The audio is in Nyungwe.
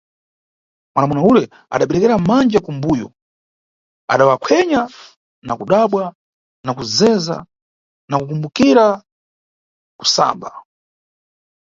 Mwamuna ule adaberekera manja ku mbuyo, adayakhwenya na kudabwa na kuzeza na nkhumbukira, kusamba.